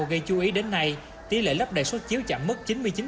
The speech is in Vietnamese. gây chú ý đến nay tỷ lệ lắp đầy số xuất chiếu chạm mức chín mươi chín